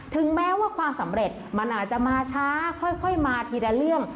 ถึงแม้ว่าความสำเร็จมันอาจจะมาช้าค่อยมาทีละเรื่อง